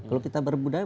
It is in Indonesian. kalau kita berbudaya